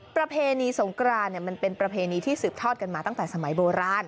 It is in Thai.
ประเพณีสงกรานมันเป็นประเพณีที่สืบทอดกันมาตั้งแต่สมัยโบราณ